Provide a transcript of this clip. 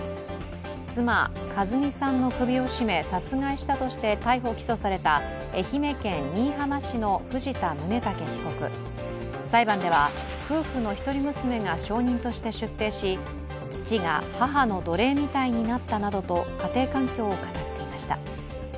妻、佳寿美さんの首を絞め、殺害したとして逮捕・起訴された愛媛県新居浜市の藤田宗武被告、裁判では夫婦の一人娘が証人として出廷し、父が母の奴隷みたいになったなどと家庭環境を語っていました。